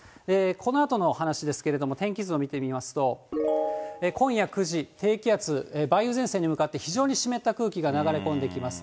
このあとの話ですけれども、天気図を見てみますと、今夜９時、低気圧、梅雨前線に向かって、非常に湿った空気が流れ込んできます。